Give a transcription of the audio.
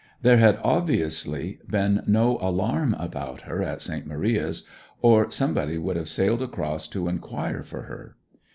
There had obviously been no alarm about her at St. Maria's, or somebody would have sailed across to inquire for her.